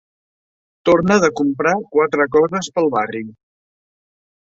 Torna de comprar quatre coses pel barri.